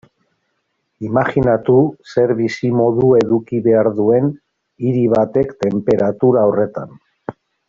Imajinatu zer bizimodu eduki behar duen hiri batek tenperatura horretan.